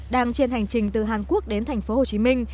đang trên hành trình từ hàn quốc đến thành phố hồ chí minh